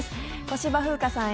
小芝風花さん